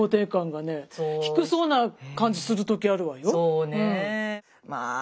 そうねえ。